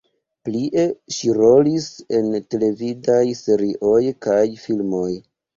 Plie ŝi rolis en televidaj serioj kaj filmoj.